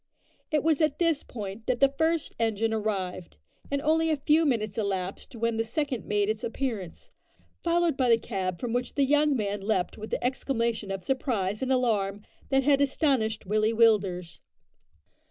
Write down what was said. It was at this point that the first engine arrived, and only a few minutes elapsed when the second made its appearance, followed by the cab from which the young man leapt with the exclamation of surprise and alarm that had astonished Willie Willders.